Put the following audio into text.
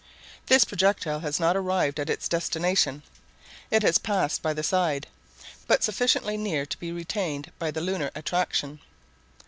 This projectile has not arrived at its destination. It has passed by the side; but sufficiently near to be retained by the lunar attraction.